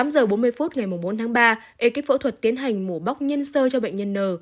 tám giờ bốn mươi phút ngày bốn tháng ba ekip phẫu thuật tiến hành mổ bóc nhân sơ cho bệnh nhân n